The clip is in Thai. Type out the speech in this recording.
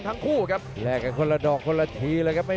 จิบลำตัวไล่แขนเสียบใน